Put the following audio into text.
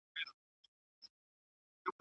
کمپيوټر سپېلينګ چک کوي.